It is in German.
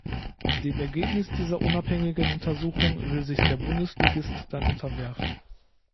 Dem Ergebnis dieser unabhängigen Untersuchung will sich der Bundesligist dann unterwerfen.